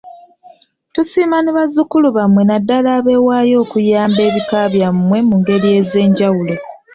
Tusiima ne bazzukulu bammwe naddala abeewaayo okuyamba ebika byabwe mu ngeri ez'enjawulo.